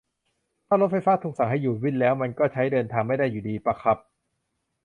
ถ้ารถไฟฟ้าถูกสั่งให้หยุดวิ่งแล้ว มันก็ใช้เดินทางไม่ได้อยู่ดีปะครับ